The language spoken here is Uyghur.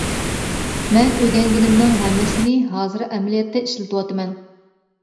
مەن ئۆگەنگىنىمنىڭ ھەممىسىنى ھازىر ئەمەلىيەتتە ئىشلىتىۋاتىمەن.